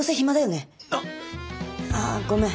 な。あごめん。